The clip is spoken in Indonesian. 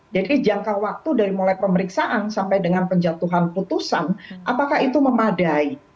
jadi jangka waktu dari mulai pemeriksaan sampai dengan penjatuhan putusan apakah itu memadai